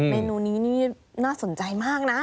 เมนูนี้นี่น่าสนใจมากนะ